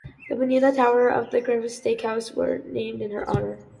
The Bonita Tower and the Granville's Steak House were named in her honor.